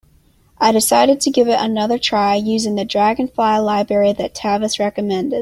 I decided to give it another try, using the Dragonfly library that Tavis recommended.